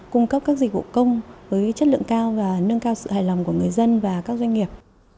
cung cấp các dịch vụ công với chất lượng cao và nâng cao sự hài lòng của người dân và các doanh nghiệp